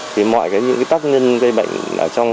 thì mọi những tác nhân gây bệnh